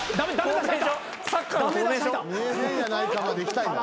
・見えへんやないかまでいきたいんだ。